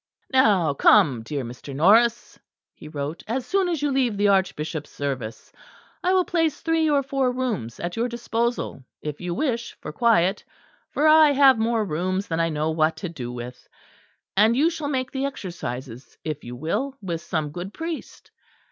"Now come, dear Mr. Norris," he wrote, "as soon as you leave the Archbishop's service; I will place three or four rooms at your disposal, if you wish for quiet; for I have more rooms than I know what to do with; and you shall make the Exercises if you will with some good priest.